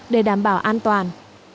để đảm bảo an toàn